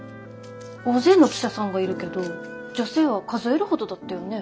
大勢の記者さんがいるけど女性は数えるほどだったよね。